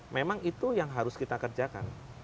memang itu yang harus kita kerjakan